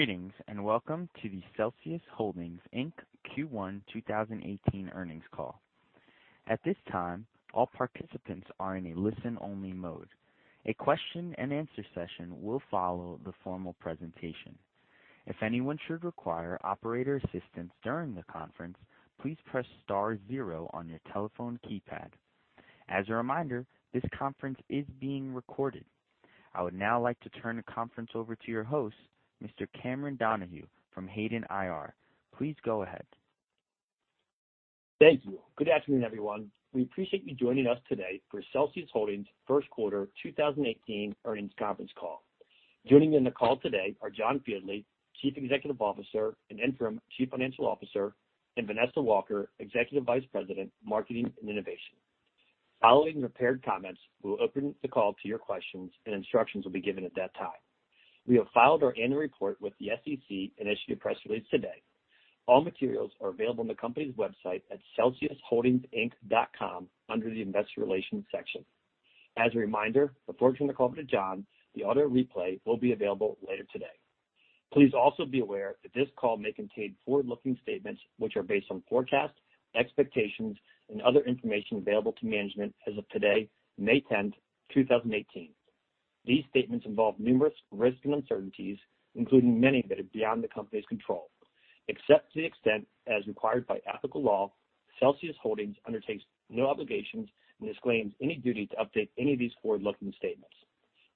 Greetings. Welcome to the Celsius Holdings, Inc. Q1 2018 earnings call. At this time, all participants are in a listen-only mode. A question and answer session will follow the formal presentation. If anyone should require operator assistance during the conference, please press star zero on your telephone keypad. As a reminder, this conference is being recorded. I would now like to turn the conference over to your host, Mr. Cameron Donahue from Hayden IR. Please go ahead. Thank you. Good afternoon, everyone. We appreciate you joining us today for Celsius Holdings' first quarter 2018 earnings conference call. Joining in the call today are John Fieldly, Chief Executive Officer and Interim Chief Financial Officer, and Vanessa Walker, Executive Vice President, Marketing and Innovation. Following the prepared comments, we'll open the call to your questions. Instructions will be given at that time. We have filed our annual report with the SEC and issued a press release today. All materials are available on the company's website at celsiusholdingsinc.com under the investor relations section. As a reminder, before turning the call over to John, the audio replay will be available later today. Please also be aware that this call may contain forward-looking statements which are based on forecasts, expectations, and other information available to management as of today, May 10th, 2018. These statements involve numerous risks and uncertainties, including many that are beyond the company's control. Except to the extent as required by applicable law, Celsius Holdings undertakes no obligations and disclaims any duty to update any of these forward-looking statements.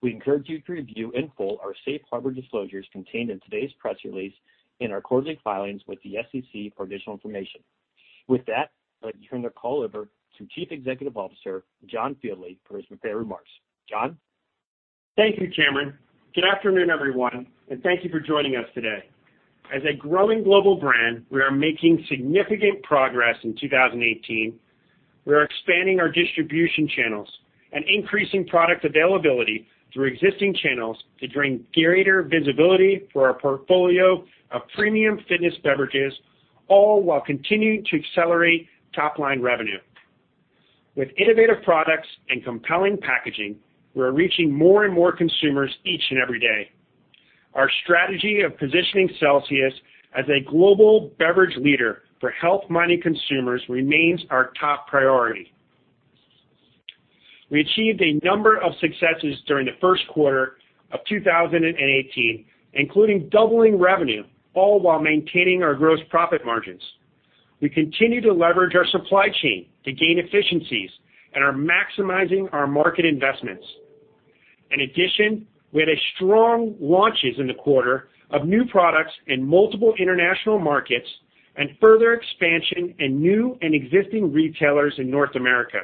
We encourage you to review in full our safe harbor disclosures contained in today's press release and our quarterly filings with the SEC for additional information. With that, I'd like to turn the call over to Chief Executive Officer, John Fieldly, for his prepared remarks. John? Thank you, Cameron. Good afternoon, everyone. Thank you for joining us today. As a growing global brand, we are making significant progress in 2018. We are expanding our distribution channels and increasing product availability through existing channels to bring greater visibility for our portfolio of premium fitness beverages, all while continuing to accelerate top-line revenue. With innovative products and compelling packaging, we're reaching more and more consumers each and every day. Our strategy of positioning Celsius as a global beverage leader for health-minded consumers remains our top priority. We achieved a number of successes during the first quarter of 2018, including doubling revenue, all while maintaining our gross profit margins. We continue to leverage our supply chain to gain efficiencies and are maximizing our market investments. In addition, we had strong launches in the quarter of new products in multiple international markets and further expansion in new and existing retailers in North America.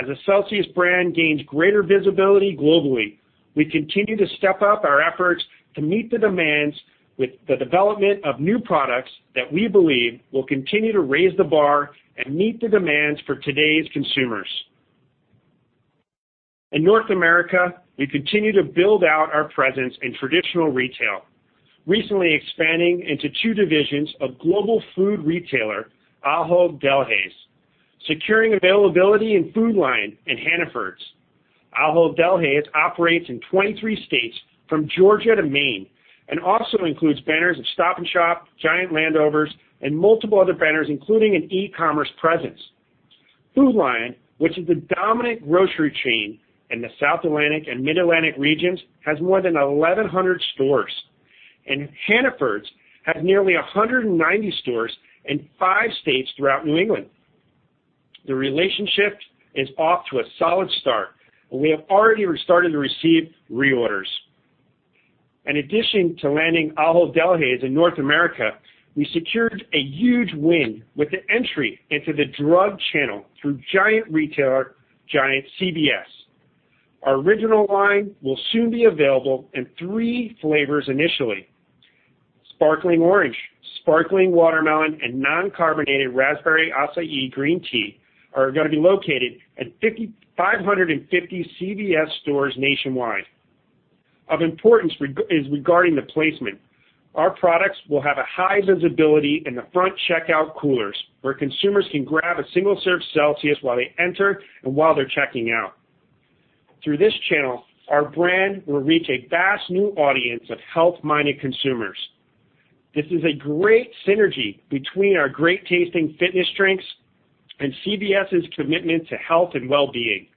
As the Celsius brand gains greater visibility globally, we continue to step up our efforts to meet the demands with the development of new products that we believe will continue to raise the bar and meet the demands for today's consumers. In North America, we continue to build out our presence in traditional retail, recently expanding into two divisions of global food retailer, Ahold Delhaize, securing availability in Food Lion and Hannaford. Ahold Delhaize operates in 23 states from Georgia to Maine and also includes banners of Stop & Shop, Giant Landover, and multiple other banners, including an e-commerce presence. Food Lion, which is the dominant grocery chain in the South Atlantic and Mid-Atlantic regions, has more than 1,100 stores. Hannaford has nearly 190 stores in five states throughout New England. The relationship is off to a solid start, and we have already started to receive reorders. In addition to landing Ahold Delhaize in North America, we secured a huge win with the entry into the drug channel through giant retailer, CVS. Our Original line will soon be available in three flavors initially. Sparkling Orange, Sparkling Watermelon, and non-carbonated Raspberry Acai Green Tea are gonna be located at 550 CVS stores nationwide. Of importance is regarding the placement. Our products will have a high visibility in the front checkout coolers, where consumers can grab a single-serve Celsius while they enter and while they're checking out. Through this channel, our brand will reach a vast new audience of health-minded consumers. This is a great synergy between our great-tasting fitness drinks and CVS's commitment to health and wellbeing.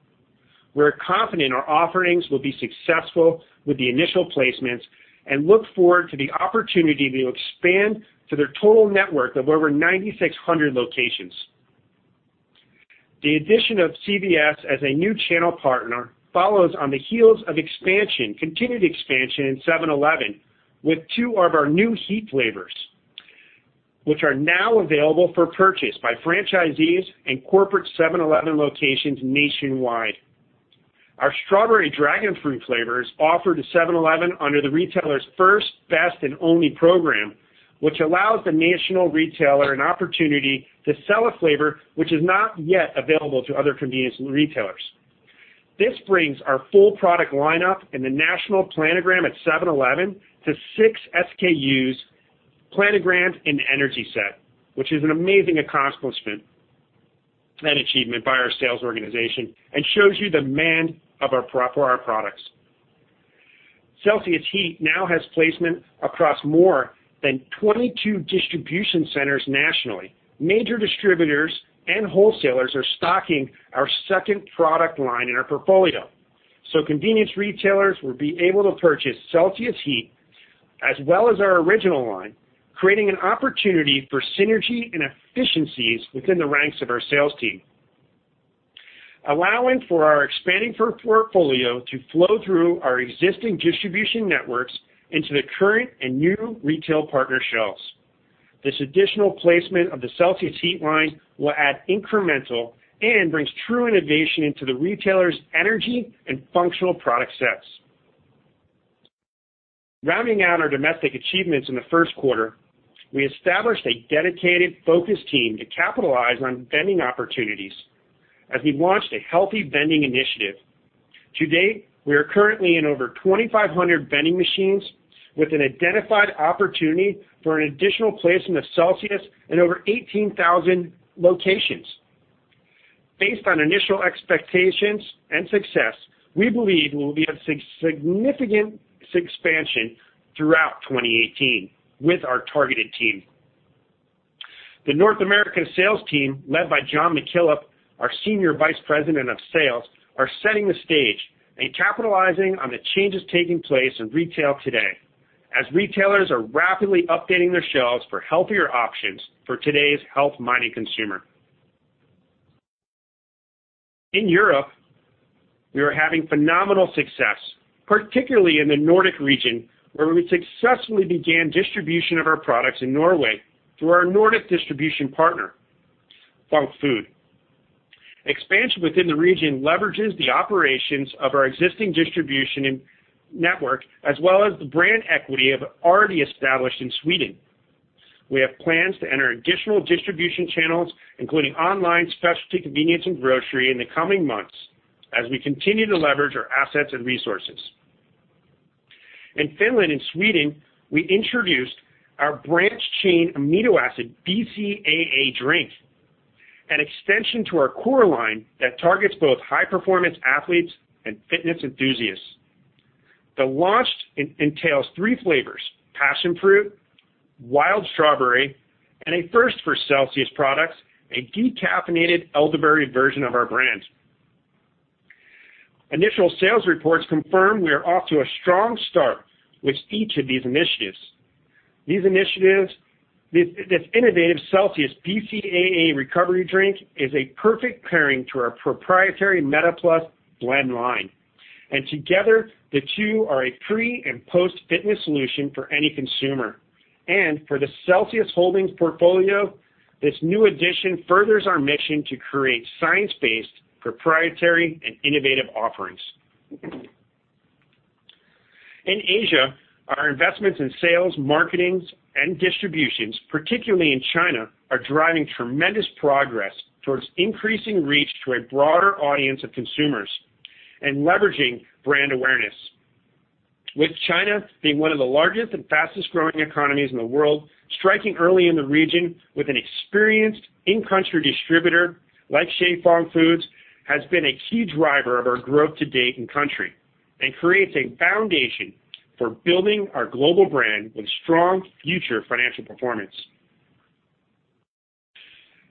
We're confident our offerings will be successful with the initial placements and look forward to the opportunity to expand to their total network of over 9,600 locations. The addition of CVS as a new channel partner follows on the heels of expansion, continued expansion in 7-Eleven with two of our new CELSIUS HEAT flavors, which are now available for purchase by franchisees and corporate 7-Eleven locations nationwide. Our Strawberry Dragonfruit flavor is offered to 7-Eleven under the retailer's First, Best and Only program, which allows the national retailer an opportunity to sell a flavor which is not yet available to other convenience retailers. This brings our full product lineup in the national planogram at 7-Eleven to six SKUs planograms in the energy set, which is an amazing accomplishment. An achievement by our sales organization and shows you the demand for our products. CELSIUS HEAT now has placement across more than 22 distribution centers nationally. Major distributors and wholesalers are stocking our second product line in our portfolio, so convenience retailers will be able to purchase CELSIUS HEAT as well as our Original line, creating an opportunity for synergy and efficiencies within the ranks of our sales team. Allowing for our expanding portfolio to flow through our existing distribution networks into the current and new retail partner shelves. This additional placement of the CELSIUS HEAT line will add incremental and brings true innovation into the retailer's energy and functional product sets. Rounding out our domestic achievements in the first quarter, we established a dedicated focus team to capitalize on vending opportunities as we launched a healthy vending initiative. To date, we are currently in over 2,500 vending machines with an identified opportunity for an additional placement of Celsius in over 18,000 locations. Based on initial expectations and success, we believe we will have significant expansion throughout 2018 with our targeted team. The North American sales team, led by Jon McKillop, our Senior Vice President of Sales, are setting the stage and capitalizing on the changes taking place in retail today as retailers are rapidly updating their shelves for healthier options for today's health-minded consumer. In Europe, we are having phenomenal success, particularly in the Nordic region, where we successfully began distribution of our products in Norway through our Nordic distribution partner, Func Food. Expansion within the region leverages the operations of our existing distribution network as well as the brand equity we have already established in Sweden. We have plans to enter additional distribution channels, including online, specialty, convenience, and grocery in the coming months as we continue to leverage our assets and resources. In Finland and Sweden, we introduced our branched-chain amino acid, BCAA drink, an extension to our core line that targets both high-performance athletes and fitness enthusiasts. The launch entails three flavors: passion fruit, wild strawberry, and a first for Celsius products, a decaffeinated elderberry version of our brand. Initial sales reports confirm we are off to a strong start with each of these initiatives. This innovative Celsius BCAA recovery drink is a perfect pairing to our proprietary MetaPlus blend line. Together, the two are a pre- and post-fitness solution for any consumer. For the Celsius Holdings portfolio, this new addition furthers our mission to create science-based, proprietary, and innovative offerings. In Asia, our investments in sales, marketing, and distributions, particularly in China, are driving tremendous progress towards increasing reach to a broader audience of consumers and leveraging brand awareness. With China being one of the largest and fastest-growing economies in the world, striking early in the region with an experienced in-country distributor, like Shyi Fang Foods, has been a key driver of our growth to date in country and creates a foundation for building our global brand with strong future financial performance.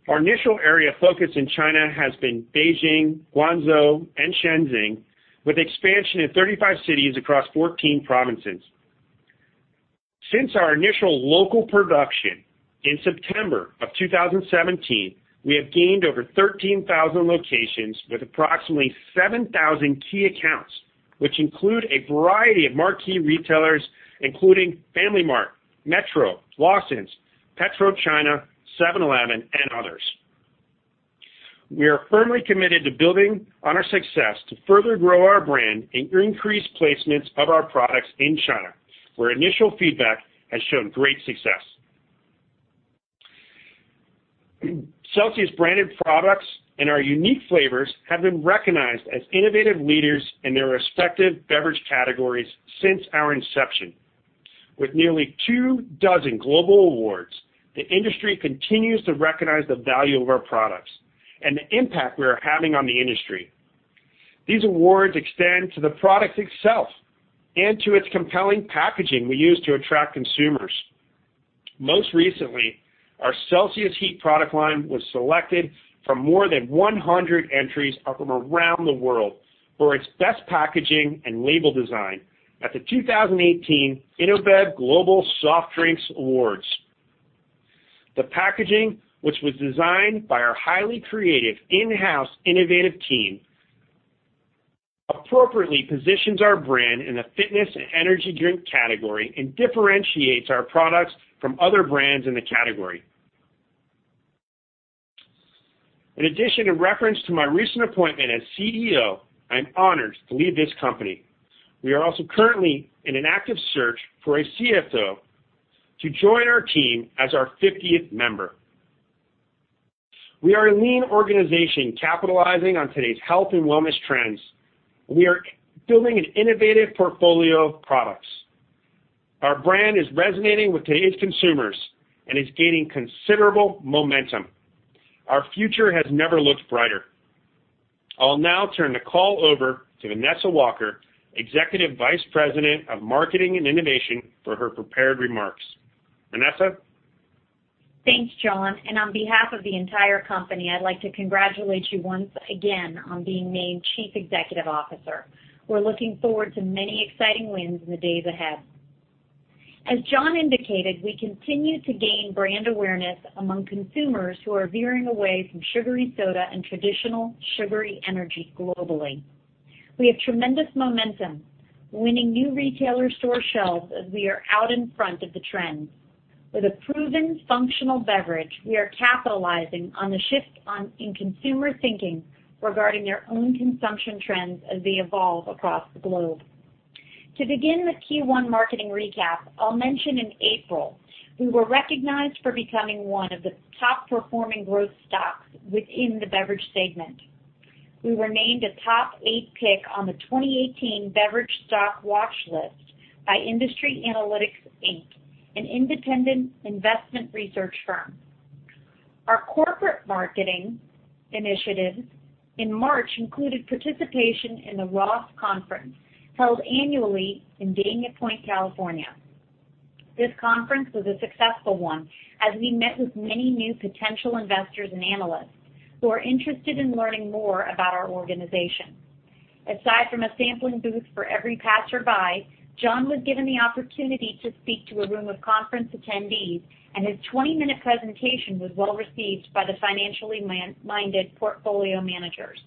Our initial area of focus in China has been Beijing, Guangzhou, and Shenzhen, with expansion in 35 cities across 14 provinces. Since our initial local production in September of 2017, we have gained over 13,000 locations with approximately 7,000 key accounts, which include a variety of marquee retailers, including FamilyMart, Metro, Lawson, PetroChina, 7-Eleven, and others. We are firmly committed to building on our success to further grow our brand and increase placements of our products in China, where initial feedback has shown great success. Celsius branded products and our unique flavors have been recognized as innovative leaders in their respective beverage categories since our inception. With nearly two dozen global awards, the industry continues to recognize the value of our products and the impact we are having on the industry. These awards extend to the product itself and to its compelling packaging we use to attract consumers. Most recently, our CELSIUS HEAT product line was selected from more than 100 entries from around the world for its best packaging and label design at the 2018 InnoBev Global Soft Drinks Awards. The packaging, which was designed by our highly creative in-house innovative team, appropriately positions our brand in the fitness and energy drink category and differentiates our products from other brands in the category. In addition, in reference to my recent appointment as CEO, I am honored to lead this company. We are also currently in an active search for a CFO to join our team as our 50th member. We are a lean organization capitalizing on today's health and wellness trends. We are building an innovative portfolio of products. Our brand is resonating with today's consumers and is gaining considerable momentum. Our future has never looked brighter. I'll now turn the call over to Vanessa Walker, Executive Vice President of Marketing and Innovation for her prepared remarks. Vanessa? Thanks, John. On behalf of the entire company, I'd like to congratulate you once again on being named Chief Executive Officer. We're looking forward to many exciting wins in the days ahead. As John indicated, we continue to gain brand awareness among consumers who are veering away from sugary soda and traditional sugary energy globally. We have tremendous momentum, winning new retailer store shelves as we are out in front of the trend. With a proven functional beverage, we are capitalizing on the shift in consumer thinking regarding their own consumption trends as they evolve across the globe. To begin the Q1 marketing recap, I'll mention in April, we were recognized for becoming one of the top performing growth stocks within the beverage segment. We were named a top eight pick on the 2018 Beverage Stock Watch List by Industry Analytics, Inc., an independent investment research firm. Our corporate marketing initiatives in March included participation in the Roth Conference held annually in Dana Point, California. This conference was a successful one as we met with many new potential investors and analysts who are interested in learning more about our organization. Aside from a sampling booth for every passerby, John was given the opportunity to speak to a room of conference attendees, and his 20-minute presentation was well-received by the financially-minded portfolio managers.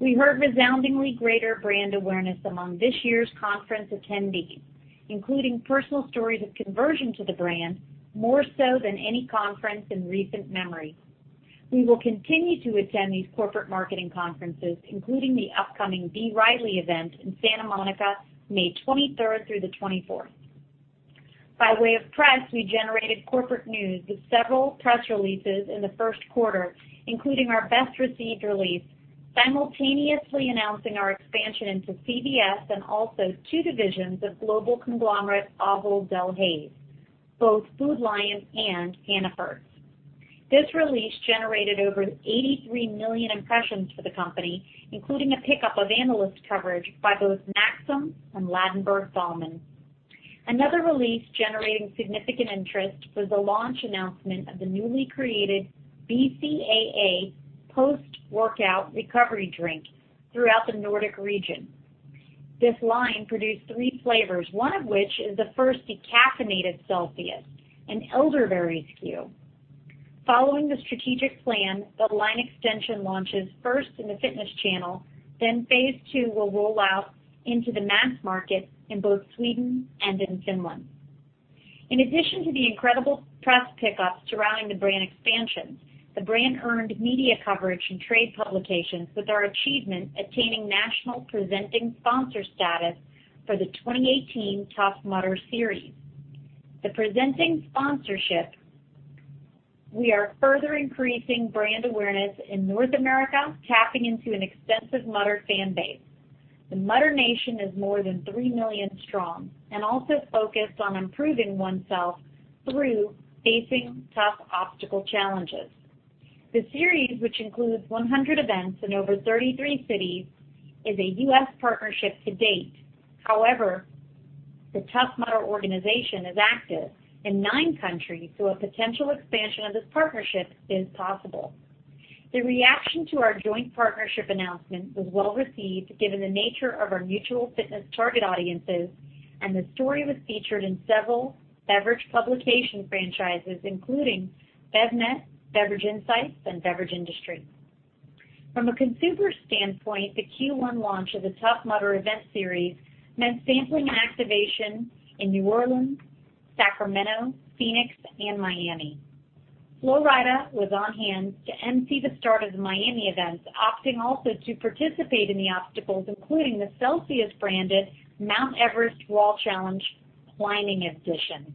We heard resoundingly greater brand awareness among this year's conference attendees, including personal stories of conversion to the brand, more so than any conference in recent memory. We will continue to attend these corporate marketing conferences, including the upcoming B. Riley event in Santa Monica, May 23rd through the 24th. By way of press, we generated corporate news with several press releases in the first quarter, including our best-received release, simultaneously announcing our expansion into CVS and also two divisions of global conglomerate, Ahold Delhaize, both Food Lion and Hannaford. This release generated over 83 million impressions for the company, including a pickup of analyst coverage by both Maxim and Ladenburg Thalmann. Another release generating significant interest was the launch announcement of the newly created BCAA post-workout recovery drink throughout the Nordic region. This line produced three flavors, one of which is the first decaffeinated Celsius, an elderberry SKU. Following the strategic plan, the line extension launches first in the fitness channel, then phase 2 will roll out into the mass market in both Sweden and in Finland. In addition to the incredible press pickups surrounding the brand expansions, the brand earned media coverage from trade publications with our achievement attaining national presenting sponsor status for the 2018 Tough Mudder Series. The presenting sponsorship, we are further increasing brand awareness in North America, tapping into an extensive Mudder fan base. The Mudder Nation is more than 3 million strong and also focused on improving oneself through facing tough obstacle challenges. The series, which includes 100 events in over 33 cities, is a U.S. partnership to date. However, the Tough Mudder organization is active in 9 countries, so a potential expansion of this partnership is possible. The reaction to our joint partnership announcement was well-received given the nature of our mutual fitness target audiences, and the story was featured in several beverage publication franchises, including BevNET, Beverage Business Insights, and Beverage Industry. From a consumer standpoint, the Q1 launch of the Tough Mudder event series meant sampling and activation in New Orleans, Sacramento, Phoenix, and Miami. Flo Rida was on hand to emcee the start of the Miami event, opting also to participate in the obstacles, including the Celsius-branded Mount Everest Wall Challenge, climbing edition.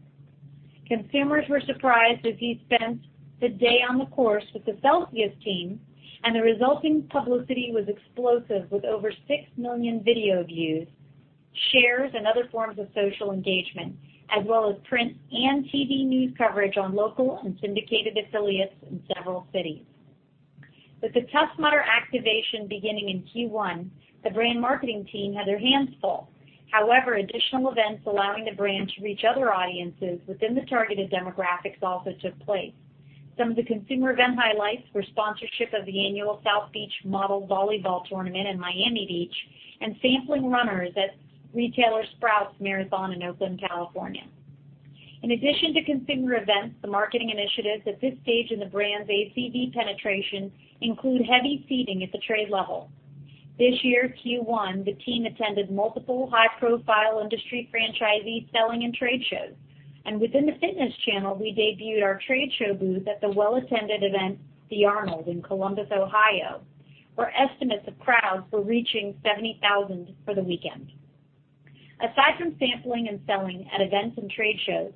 Consumers were surprised as he spent the day on the course with the Celsius team, and the resulting publicity was explosive with over 6 million video views, shares, and other forms of social engagement, as well as print and TV news coverage on local and syndicated affiliates in several cities. With the Tough Mudder activation beginning in Q1, the brand marketing team had their hands full. However, additional events allowing the brand to reach other audiences within the targeted demographics also took place. Some of the consumer event highlights were sponsorship of the annual South Beach Model Volleyball Tournament in Miami Beach and sampling runners at retailer Sprouts Marathon in Oakland, California. In addition to consumer events, the marketing initiatives at this stage in the brand's ACD penetration include heavy seeding at the trade level. This year, Q1, the team attended multiple high-profile industry franchisees selling in trade shows, and within the fitness channel, we debuted our trade show booth at the well-attended event, The Arnold in Columbus, Ohio, where estimates of crowds were reaching 70,000 for the weekend. Aside from sampling and selling at events and trade shows.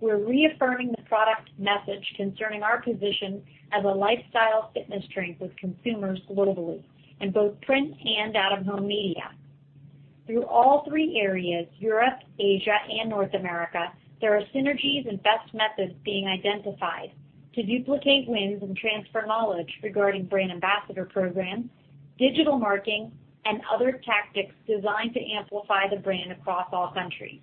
We're reaffirming the product message concerning our position as a lifestyle fitness drink with consumers globally in both print and out-of-home media. Through all three areas, Europe, Asia, and North America, there are synergies and best methods being identified to duplicate wins and transfer knowledge regarding brand ambassador programs, digital marketing, and other tactics designed to amplify the brand across all countries.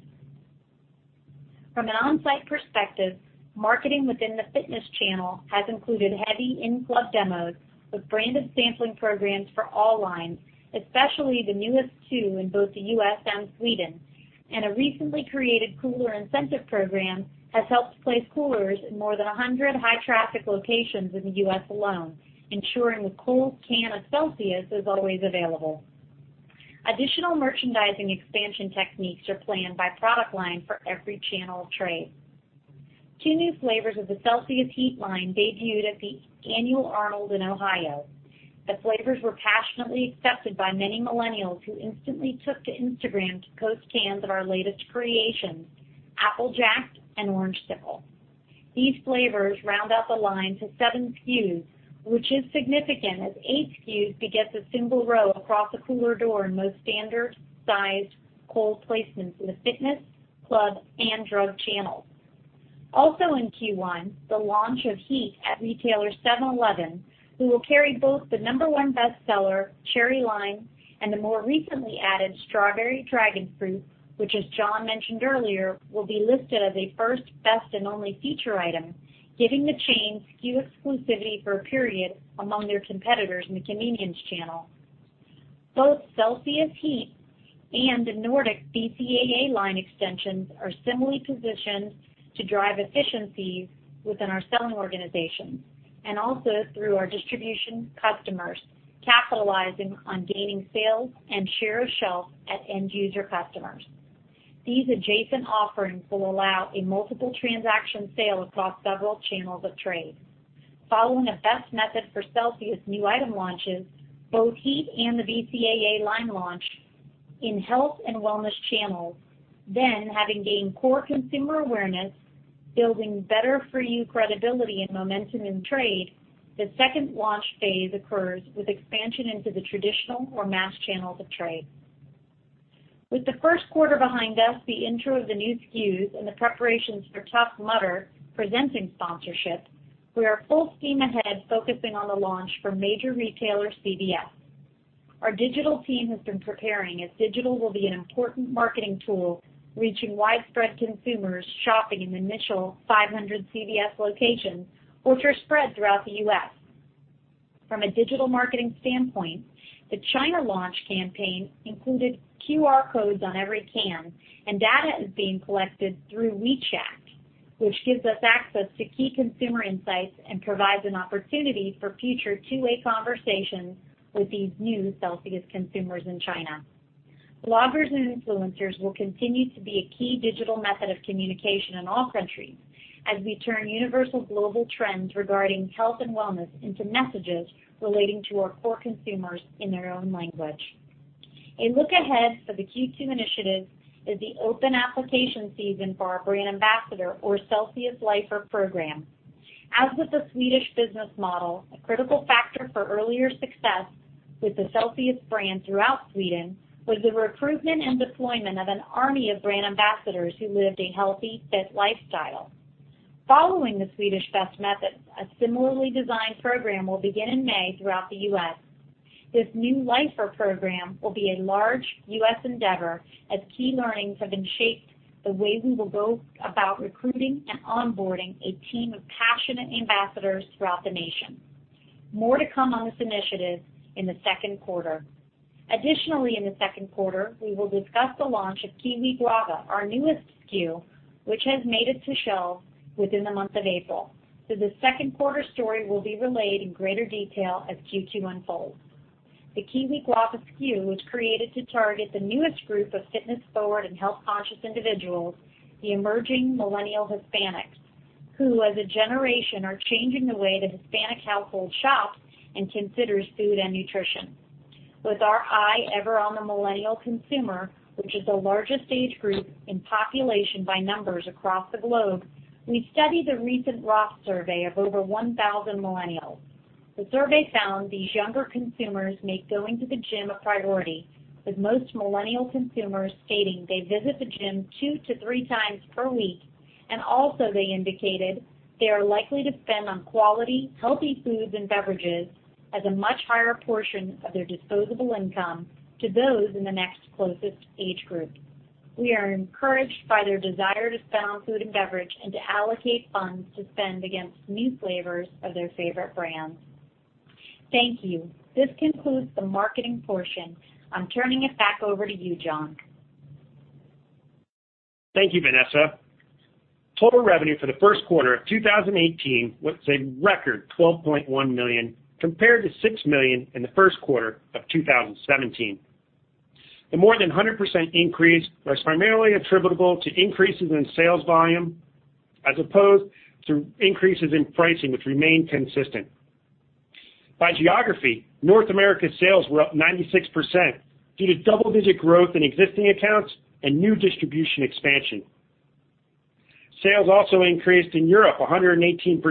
From an on-site perspective, marketing within the fitness channel has included heavy in-club demos with branded sampling programs for all lines, especially the newest two in both the U.S. and Sweden, and a recently created cooler incentive program has helped place coolers in more than 100 high traffic locations in the U.S. alone, ensuring a cold can of Celsius is always available. Additional merchandising expansion techniques are planned by product line for every channel of trade. Two new flavors of the CELSIUS HEAT line debuted at the annual Arnold in Ohio. The flavors were passionately accepted by many millennials who instantly took to Instagram to post cans of our latest creations, Apple Jack'd and Orangesicle. These flavors round out the line to seven SKUs, which is significant as eight SKUs begets a single row across a cooler door in most standard sized cold placements in the fitness, club, and drug channels. Also in Q1, the launch of CELSIUS HEAT at retailer 7-Eleven, who will carry both the number one bestseller, Cherry Lime, and the more recently added Strawberry Dragonfruit, which as John mentioned earlier, will be listed as a first, best, and only feature item, giving the chain SKU exclusivity for a period among their competitors in the convenience channel. Both CELSIUS HEAT and the Nordic BCAA line extensions are similarly positioned to drive efficiencies within our selling organizations, also through our distribution customers, capitalizing on gaining sales and share of shelf at end user customers. These adjacent offerings will allow a multiple transaction sale across several channels of trade. Following a best method for Celsius new item launches, both CELSIUS HEAT and the BCAA line launch in health and wellness channels. Having gained core consumer awareness, building better for you credibility and momentum in trade, the second launch phase occurs with expansion into the traditional or mass channels of trade. With the first quarter behind us, the intro of the new SKUs, and the preparations for Tough Mudder presenting sponsorship, we are full steam ahead focusing on the launch for major retailer CVS. Our digital team has been preparing, as digital will be an important marketing tool, reaching widespread consumers shopping in the initial 500 CVS locations, which are spread throughout the U.S. From a digital marketing standpoint, the China launch campaign included QR codes on every can, and data is being collected through WeChat, which gives us access to key consumer insights and provides an opportunity for future two-way conversations with these new Celsius consumers in China. Bloggers and influencers will continue to be a key digital method of communication in all countries as we turn universal global trends regarding health and wellness into messages relating to our core consumers in their own language. A look ahead for the Q2 initiative is the open application season for our brand ambassador or Celsius Lifer program. As with the Swedish business model, a critical factor for earlier success with the Celsius brand throughout Sweden was the recruitment and deployment of an army of brand ambassadors who lived a healthy, fit lifestyle. Following the Swedish best methods, a similarly designed program will begin in May throughout the U.S. This new Lifer program will be a large U.S. endeavor as key learnings have been shaped the way we will go about recruiting and onboarding a team of passionate ambassadors throughout the nation. More to come on this initiative in the second quarter. Additionally, in the second quarter, we will discuss the launch of Kiwi Guava, our newest SKU, which has made it to shelves within the month of April. The second quarter story will be relayed in greater detail as Q2 unfolds. The Kiwi Guava SKU was created to target the newest group of fitness forward and health conscious individuals, the emerging millennial Hispanics, who as a generation are changing the way the Hispanic household shops and considers food and nutrition. With our eye ever on the millennial consumer, which is the largest age group in population by numbers across the globe, we studied the recent ROTH Millennial Survey of over 1,000 millennials. The survey found these younger consumers make going to the gym a priority, with most millennial consumers stating they visit the gym two to three times per week, and also they indicated they are likely to spend on quality, healthy foods and beverages as a much higher portion of their disposable income to those in the next closest age group. We are encouraged by their desire to spend on food and beverage and to allocate funds to spend against new flavors of their favorite brands. Thank you. This concludes the marketing portion. I'm turning it back over to you, John. Thank you, Vanessa. Total revenue for the first quarter of 2018 was a record $12.1 million compared to $6 million in the first quarter of 2017. The more than 100% increase was primarily attributable to increases in sales volume as opposed to increases in pricing, which remained consistent. By geography, North America sales were up 96%, due to double-digit growth in existing accounts and new distribution expansion. Sales also increased in Europe 118%,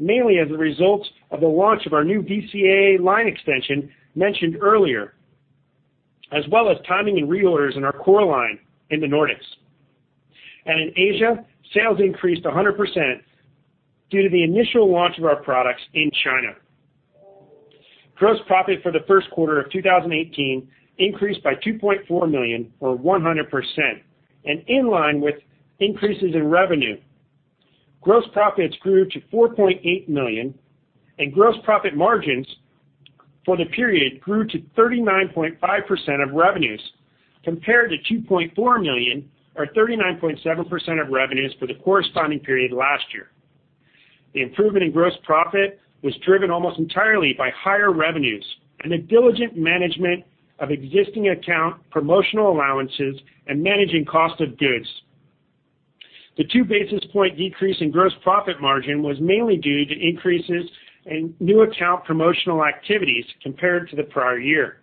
mainly as a result of the launch of our new BCAA line extension mentioned earlier, as well as timing and reorders in our core line in the Nordics. In Asia, sales increased 100% due to the initial launch of our products in China. Gross profit for the first quarter of 2018 increased by $2.4 million or 100%, and in line with increases in revenue. Gross profits grew to $4.8 million, and gross profit margins for the period grew to 39.5% of revenues, compared to $2.4 million or 39.7% of revenues for the corresponding period last year. The improvement in gross profit was driven almost entirely by higher revenues and the diligent management of existing account promotional allowances and managing cost of goods. The two basis point decrease in gross profit margin was mainly due to increases in new account promotional activities compared to the prior year.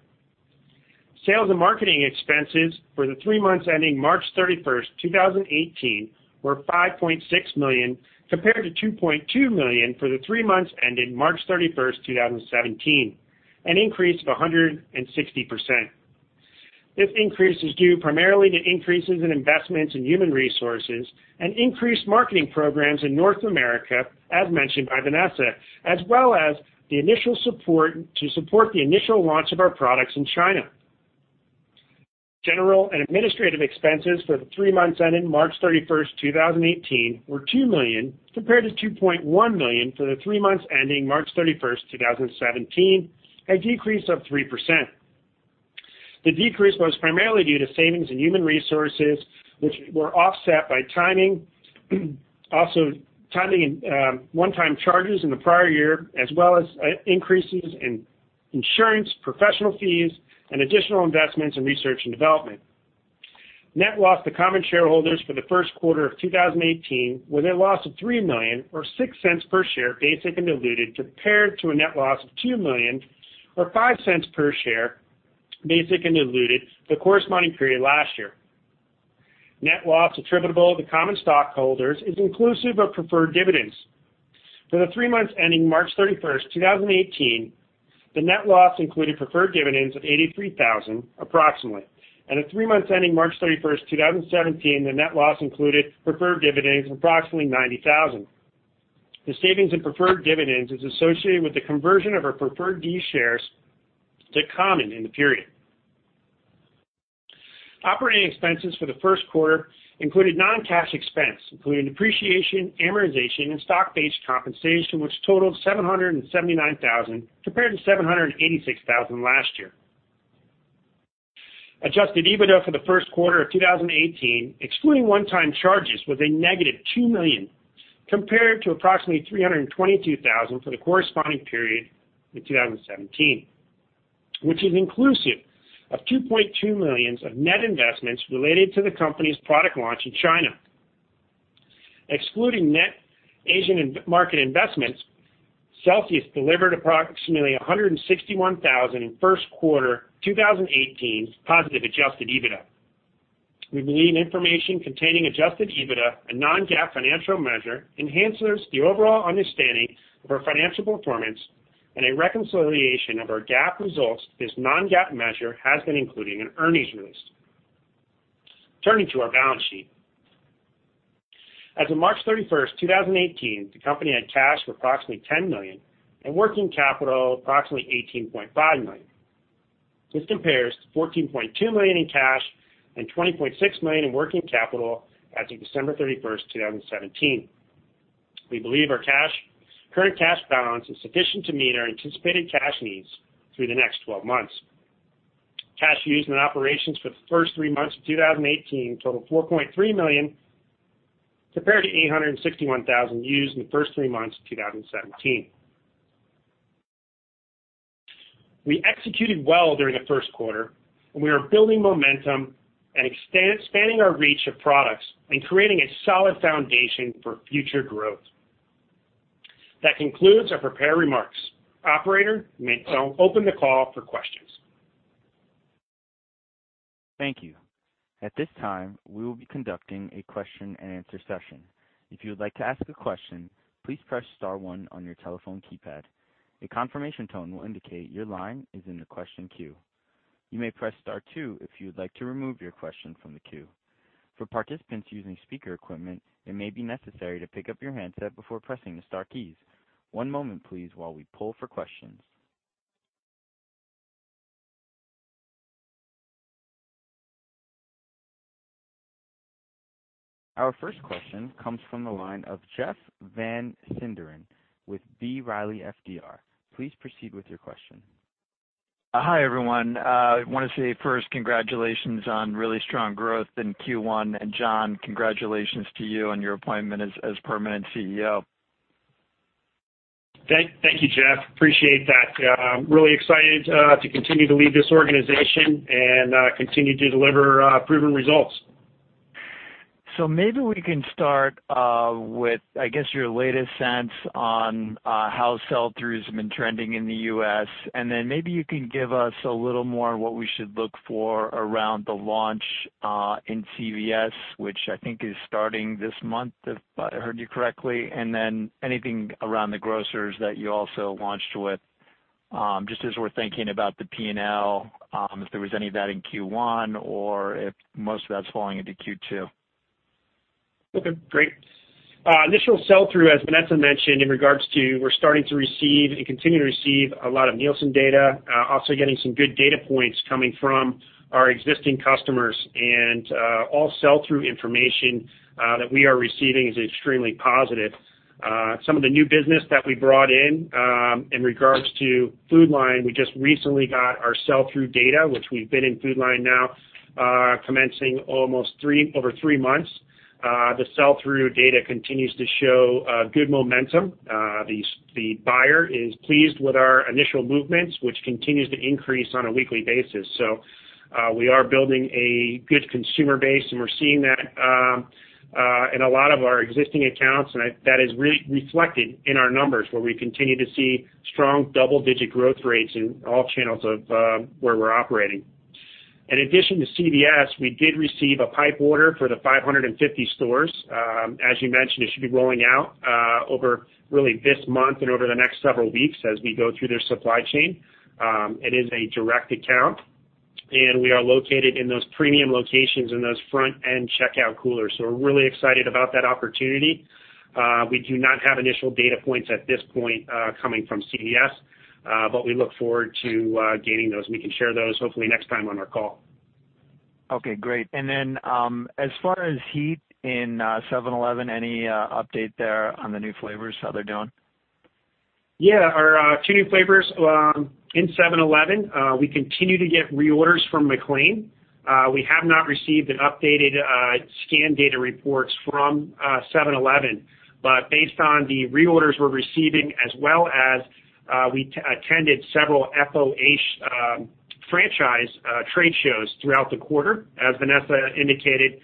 Sales and marketing expenses for the three months ending March 31st, 2018, were $5.6 million compared to $2.2 million for the three months ending March 31st, 2017, an increase of 160%. This increase is due primarily to increases in investments in human resources and increased marketing programs in North America, as mentioned by Vanessa, as well as to support the initial launch of our products in China. General and administrative expenses for the three months ending March 31st, 2018, were $2 million compared to $2.1 million for the three months ending March 31st, 2017, a decrease of 3%. The decrease was primarily due to savings in human resources, which were offset by timing, also timing in one-time charges in the prior year, as well as increases in insurance, professional fees, and additional investments in research and development. Net loss to common shareholders for the first quarter of 2018 was a loss of $3 million or $0.06 per share basic and diluted compared to a net loss of $2 million or $0.05 per share basic and diluted the corresponding period last year. Net loss attributable to common stockholders is inclusive of preferred dividends. For the three months ending March 31st, 2018, the net loss included preferred dividends of approximately $83,000, and the three months ending March 31st, 2017, the net loss included preferred dividends approximately $90,000. The savings in preferred dividends is associated with the conversion of our preferred D shares to common in the period. Operating expenses for the first quarter included non-cash expense, including depreciation, amortization, and stock-based compensation, which totaled $779,000 compared to $786,000 last year. Adjusted EBITDA for the first quarter of 2018, excluding one-time charges, was a negative $2 million compared to approximately $322,000 for the corresponding period in 2017, which is inclusive of $2.2 million of net investments related to the company's product launch in China. Excluding net Asian market investments, Celsius delivered approximately $161,000 in first quarter 2018 positive adjusted EBITDA. We believe information containing adjusted EBITDA and non-GAAP financial measure enhances the overall understanding of our financial performance and a reconciliation of our GAAP results to this non-GAAP measure has been included in earnings release. Turning to our balance sheet. As of March 31st, 2018, the company had cash of approximately $10 million and working capital approximately $18.5 million. This compares to $14.2 million in cash and $20.6 million in working capital as of December 31st, 2017. We believe our current cash balance is sufficient to meet our anticipated cash needs through the next 12 months. Cash used in operations for the first three months of 2018 totaled $4.3 million compared to $861,000 used in the first three months of 2017. We executed well during the first quarter, and we are building momentum and expanding our reach of products and creating a solid foundation for future growth. That concludes our prepared remarks. Operator, you may open the call for questions. Thank you. At this time, we will be conducting a question-and-answer session. If you would like to ask a question, please press star one on your telephone keypad. A confirmation tone will indicate your line is in the question queue. You may press star two if you would like to remove your question from the queue. For participants using speaker equipment, it may be necessary to pick up your handset before pressing the star keys. One moment, please, while we pull for questions. Our first question comes from the line of Jeff Van Sinderen with B. Riley FBR. Please proceed with your question. Hi, everyone. I want to say first congratulations on really strong growth in Q1. John, congratulations to you on your appointment as permanent CEO. Thank you, Jeff. Appreciate that. Really excited to continue to lead this organization and continue to deliver proven results. Maybe we can start with, I guess, your latest sense on how sell-through has been trending in the U.S., then maybe you can give us a little more on what we should look for around the launch in CVS, which I think is starting this month, if I heard you correctly. Then anything around the grocers that you also launched with, just as we're thinking about the P&L, if there was any of that in Q1 or if most of that's falling into Q2. Okay, great. Initial sell-through, as Vanessa mentioned, in regards to we're starting to receive and continue to receive a lot of Nielsen data. Also getting some good data points coming from our existing customers. All sell-through information that we are receiving is extremely positive. Some of the new business that we brought in regards to Food Lion, we just recently got our sell-through data, which we've been in Food Lion now commencing over three months. The sell-through data continues to show good momentum. The buyer is pleased with our initial movements, which continues to increase on a weekly basis. We are building a good consumer base, and we're seeing that in a lot of our existing accounts, and that is really reflected in our numbers, where we continue to see strong double-digit growth rates in all channels of where we're operating. In addition to CVS, we did receive a pipe order for the 550 stores. As you mentioned, it should be rolling out over really this month and over the next several weeks as we go through their supply chain. It is a direct account, and we are located in those premium locations in those front-end checkout coolers. We're really excited about that opportunity. We do not have initial data points at this point, coming from CVS, but we look forward to gaining those, and we can share those hopefully next time on our call. Okay, great. As far as Heat in 7-Eleven, any update there on the new flavors, how they're doing? Yeah. Our two new flavors in 7-Eleven, we continue to get reorders from McLane. We have not received an updated scan data reports from 7-Eleven. Based on the reorders we're receiving, as well as we attended several FOA franchise trade shows throughout the quarter, as Vanessa indicated.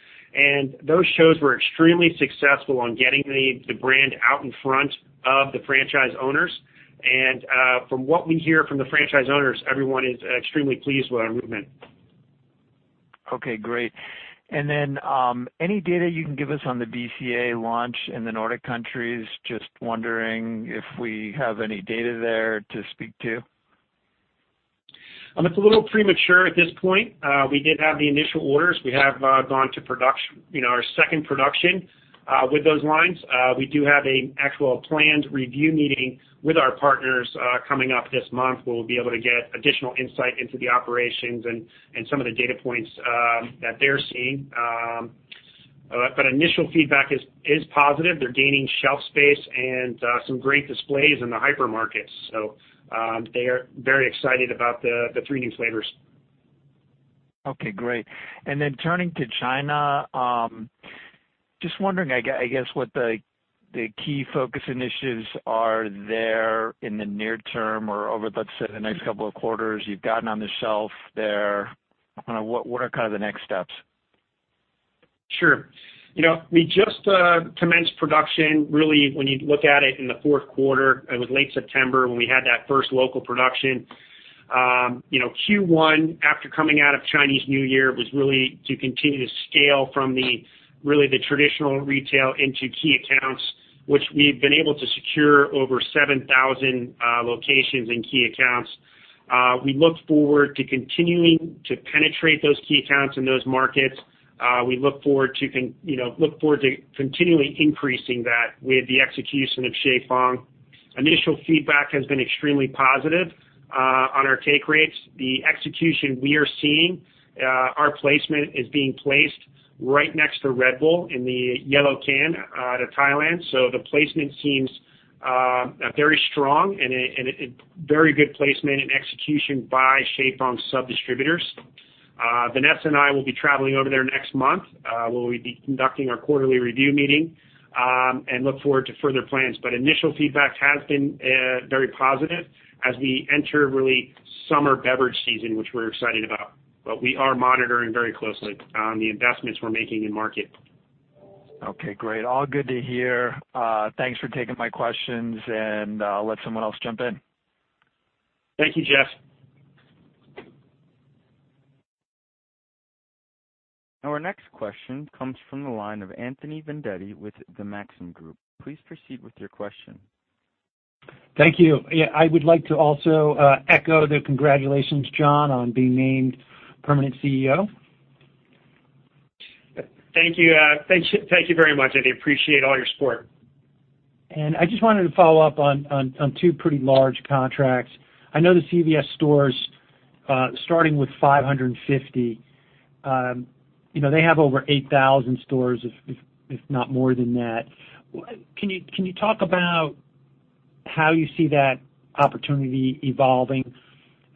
Those shows were extremely successful on getting the brand out in front of the franchise owners. From what we hear from the franchise owners, everyone is extremely pleased with our movement. Okay, great. Any data you can give us on the BCA launch in the Nordic countries? Just wondering if we have any data there to speak to. It's a little premature at this point. We did have the initial orders. We have gone to our second production with those lines. We do have an actual planned review meeting with our partners coming up this month, where we'll be able to get additional insight into the operations and some of the data points that they're seeing. Initial feedback is positive. They're gaining shelf space and some great displays in the hypermarkets. They are very excited about the three new flavors. Okay, great. Turning to China, just wondering, I guess, what the key focus initiatives are there in the near term or over, let's say, the next couple of quarters you've gotten on the shelf there. What are kind of the next steps? Sure. We just commenced production, really, when you look at it in the fourth quarter, it was late September when we had that first local production. Q1, after coming out of Chinese New Year, was really to continue to scale from the really the traditional retail into key accounts, which we've been able to secure over 7,000 locations in key accounts. We look forward to continuing to penetrate those key accounts in those markets. We look forward to continuing increasing that with the execution of Shay Fang. Initial feedback has been extremely positive on our take rates. The execution we are seeing, our placement is being placed right next to Red Bull in the yellow can out of Thailand, the placement seems very strong and very good placement and execution by Shay Fang sub distributors. Vanessa and I will be traveling over there next month, where we'll be conducting our quarterly review meeting and look forward to further plans. Initial feedback has been very positive as we enter really summer beverage season, which we're excited about. We are monitoring very closely on the investments we're making in market. Okay, great. All good to hear. Thanks for taking my questions, and I'll let someone else jump in. Thank you, Jeff. Our next question comes from the line of Anthony Vendetti with the Maxim Group. Please proceed with your question. Thank you. I would like to also echo the congratulations, John, on being named permanent CEO. Thank you. Thank you very much, Anthony. Appreciate all your support. I just wanted to follow up on two pretty large contracts. I know the CVS stores, starting with 550. They have over 8,000 stores, if not more than that. Can you talk about how you see that opportunity evolving?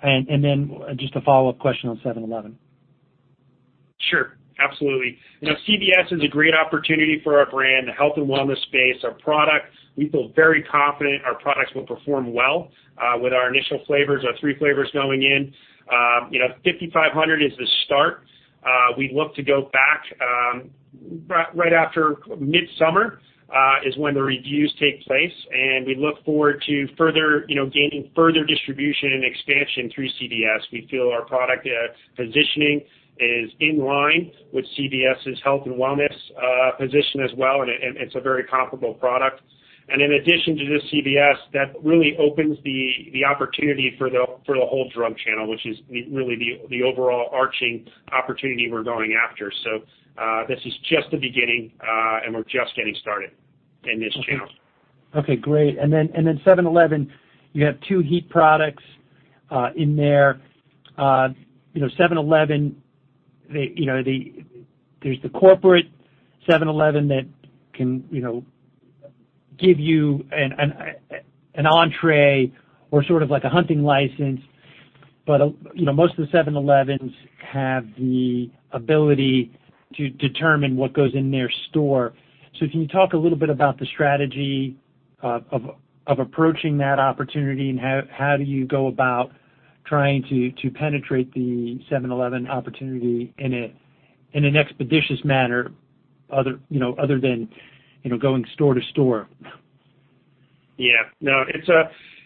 Then just a follow-up question on 7-Eleven. Sure, absolutely. CVS is a great opportunity for our brand, the health and wellness space. Our product, we feel very confident our products will perform well with our initial flavors, our three flavors going in. 5,500 is the start. We look to go back Right after midsummer is when the reviews take place, we look forward to gaining further distribution and expansion through CVS. We feel our product positioning is in line with CVS's health and wellness position as well. It's a very comparable product. In addition to just CVS, that really opens the opportunity for the whole drug channel, which is really the overarching opportunity we're going after. This is just the beginning, and we're just getting started in this channel. Okay, great. 7-Eleven, you have two HEAT products in there. There's the corporate 7-Eleven that can give you an entrée or sort of like a hunting license, most of the 7-Elevens have the ability to determine what goes in their store. Can you talk a little bit about the strategy of approaching that opportunity, and how do you go about trying to penetrate the 7-Eleven opportunity in an expeditious manner other than going store to store? Yeah. No,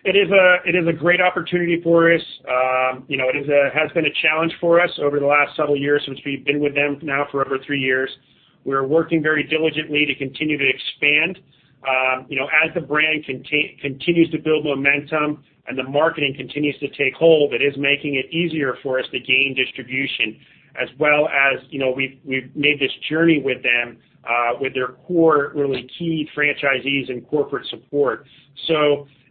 it is a great opportunity for us. It has been a challenge for us over the last several years, since we've been with them now for over three years. We are working very diligently to continue to expand. As the brand continues to build momentum and the marketing continues to take hold, it is making it easier for us to gain distribution, as well as, we've made this journey with them, with their core, really key franchisees and corporate support.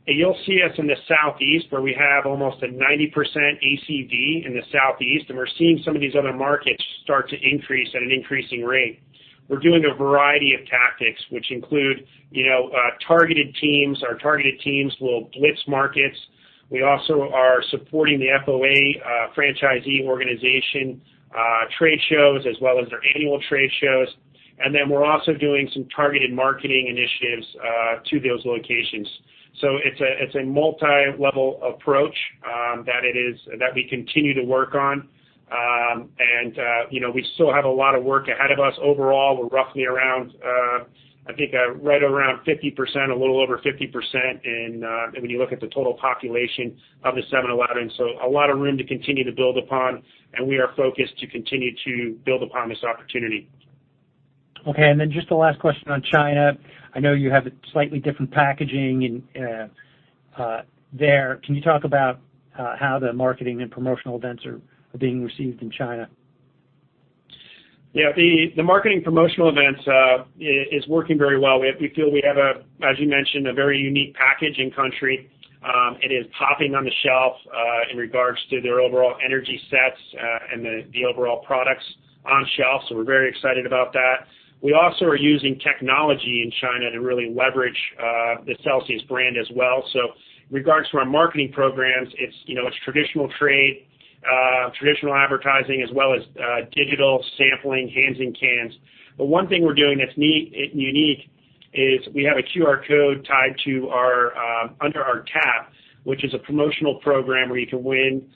You'll see us in the Southeast, where we have almost a 90% ACD in the Southeast, and we're seeing some of these other markets start to increase at an increasing rate. We're doing a variety of tactics, which include targeted teams. Our targeted teams will blitz markets. We also are supporting the FOA, Franchisee organization, trade shows, as well as their annual trade shows. We're also doing some targeted marketing initiatives to those locations. It's a multilevel approach that we continue to work on. We still have a lot of work ahead of us. Overall, we're roughly around, I think, right around 50%, a little over 50% when you look at the total population of the 7-Elevens. A lot of room to continue to build upon, we are focused to continue to build upon this opportunity. Okay, just the last question on China. I know you have a slightly different packaging there. Can you talk about how the marketing and promotional events are being received in China? The marketing promotional events is working very well. We feel we have a, as you mentioned, a very unique package in country. It is popping on the shelf, in regards to their overall energy sets, and the overall products on shelf. We're very excited about that. We also are using technology in China to really leverage the Celsius brand as well. In regards to our marketing programs, it's traditional trade, traditional advertising, as well as digital sampling, hands in cans. One thing we're doing that's unique is we have a QR code tied under our cap, which is a promotional program where you can win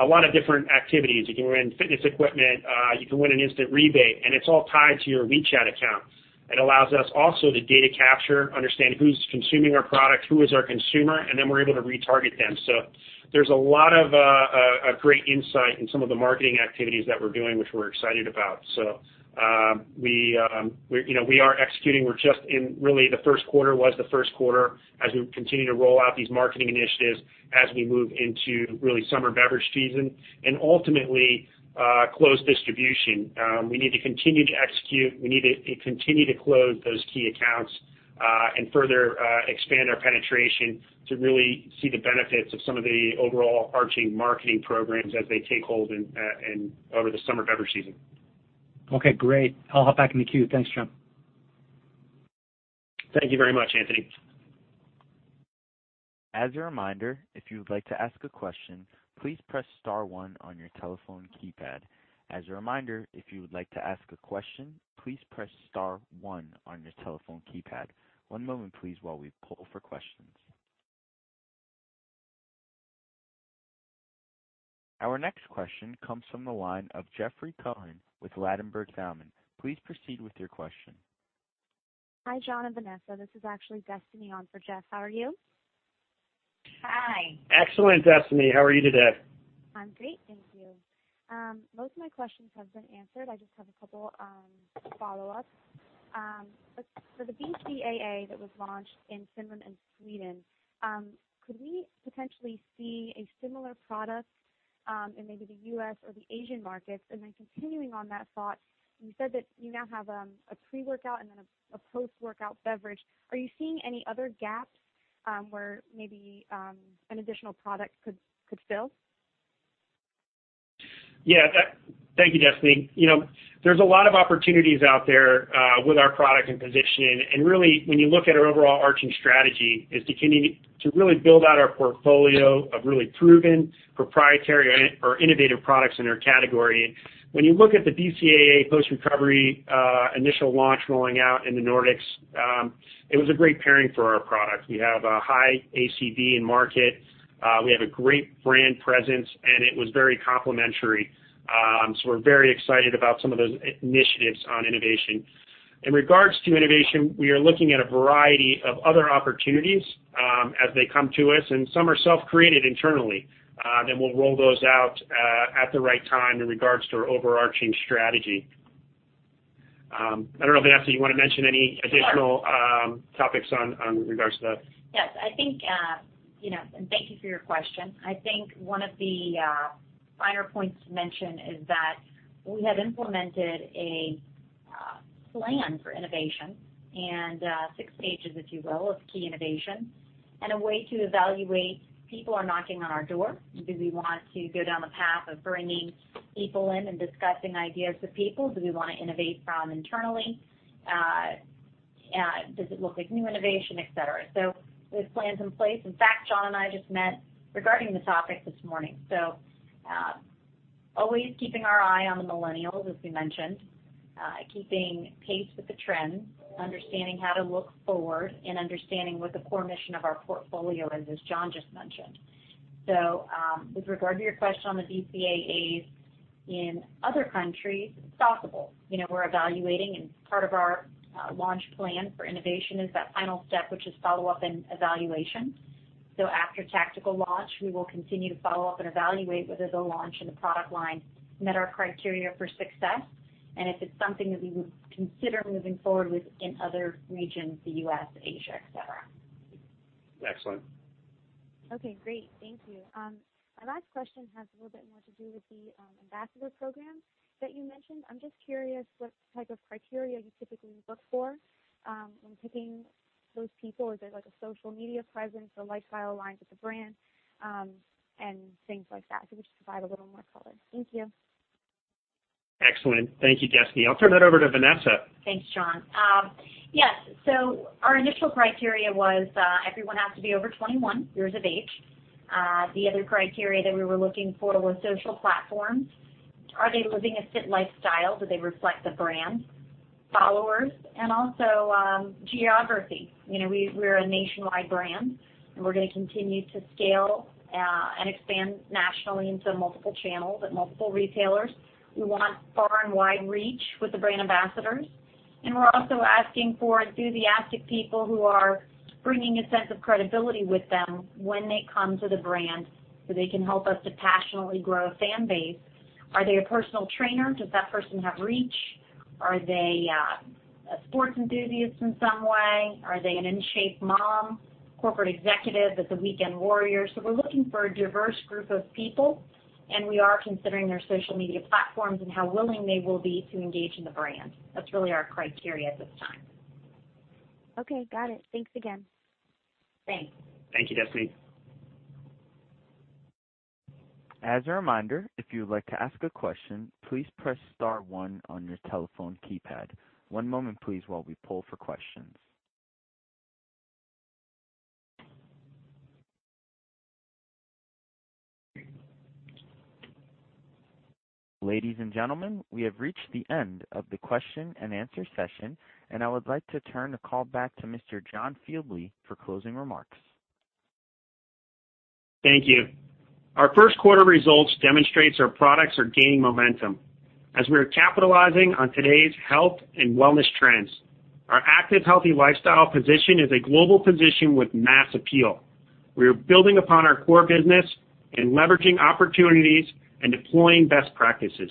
a lot of different activities. You can win fitness equipment. You can win an instant rebate, and it's all tied to your WeChat account. It allows us also to data capture, understand who's consuming our product, who is our consumer, and then we're able to retarget them. There's a lot of great insight in some of the marketing activities that we're doing, which we're excited about. We are executing. We're just in really the first quarter, was the first quarter, as we continue to roll out these marketing initiatives, as we move into really summer beverage season and ultimately, close distribution. We need to continue to execute. We need to continue to close those key accounts, and further expand our penetration to really see the benefits of some of the overall overarching marketing programs as they take hold over the summer beverage season. Okay, great. I'll hop back in the queue. Thanks, John. Thank you very much, Anthony. As a reminder, if you would like to ask a question, please press star one on your telephone keypad. As a reminder, if you would like to ask a question, please press star one on your telephone keypad. One moment, please, while we poll for questions. Our next question comes from the line of Jeffrey Cohen with Ladenburg Thalmann. Please proceed with your question. Hi, John and Vanessa. This is actually Destiny on for Jeff. How are you? Hi. Excellent, Destiny. How are you today? I'm great. Thank you. Most of my questions have been answered. I just have a couple follow-ups. For the BCAA that was launched in Finland and Sweden, could we potentially see a similar product in maybe the U.S. or the Asian markets? Continuing on that thought, you said that you now have a pre-workout and a post-workout beverage. Are you seeing any other gaps where maybe an additional product could fill? Thank you, Destiny. There's a lot of opportunities out there with our product and positioning. Really, when you look at our overall arching strategy, is to continue to really build out our portfolio of really proven proprietary or innovative products in our category. When you look at the BCAA post recovery initial launch rolling out in the Nordics, it was a great pairing for our product. We have a high ACD in market. We have a great brand presence, it was very complementary. We're very excited about some of those initiatives on innovation. In regards to innovation, we are looking at a variety of other opportunities. As they come to us, some are self-created internally, we'll roll those out at the right time in regards to our overarching strategy. I don't know if, Vanessa, you want to mention any additional- Sure topics in regards to that. Yes. Thank you for your question. I think one of the finer points to mention is that we have implemented a plan for innovation, 6 stages, if you will, of key innovation, a way to evaluate people who are knocking on our door. Do we want to go down the path of bringing people in and discussing ideas with people? Do we want to innovate from internally? Does it look like new innovation, et cetera? There's plans in place. In fact, John and I just met regarding this topic this morning. Always keeping our eye on the millennials, as we mentioned, keeping pace with the trends, understanding how to look forward, understanding what the core mission of our portfolio is, as John just mentioned. With regard to your question on the BCAAs in other countries, it's possible. We're evaluating. Part of our launch plan for innovation is that final step, which is follow-up and evaluation. After tactical launch, we will continue to follow up and evaluate whether the launch and the product line met our criteria for success, if it's something that we would consider moving forward with in other regions, the U.S., Asia, et cetera. Excellent. Okay, great. Thank you. My last question has a little bit more to do with the ambassador program that you mentioned. I'm just curious what type of criteria you typically look for when picking those people. Is there a social media presence or lifestyle aligned with the brand, and things like that? If you could just provide a little more color. Thank you. Excellent. Thank you, Destiny. I'll turn that over to Vanessa. Thanks, John. Yes. Our initial criteria was everyone has to be over 21 years of age. The other criteria that we were looking for was social platforms. Are they living a fit lifestyle? Do they reflect the brand? Followers and also geography. We're a nationwide brand, and we're going to continue to scale and expand nationally into multiple channels at multiple retailers. We want far and wide reach with the brand ambassadors, and we're also asking for enthusiastic people who are bringing a sense of credibility with them when they come to the brand so they can help us to passionately grow a fan base. Are they a personal trainer? Does that person have reach? Are they a sports enthusiast in some way? Are they an in-shape mom, corporate executive that's a weekend warrior? We're looking for a diverse group of people, and we are considering their social media platforms and how willing they will be to engage in the brand. That's really our criteria at this time. Okay, got it. Thanks again. Thanks. Thank you, Destiny. As a reminder, if you would like to ask a question, please press star one on your telephone keypad. One moment please while we poll for questions. Ladies and gentlemen, we have reached the end of the question and answer session, and I would like to turn the call back to Mr. John Fieldly for closing remarks. Thank you. Our first quarter results demonstrates our products are gaining momentum as we are capitalizing on today's health and wellness trends. Our active healthy lifestyle position is a global position with mass appeal. We are building upon our core business and leveraging opportunities and deploying best practices.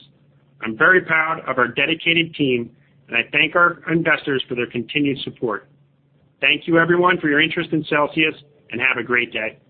I'm very proud of our dedicated team, and I thank our investors for their continued support. Thank you, everyone, for your interest in Celsius, and have a great day.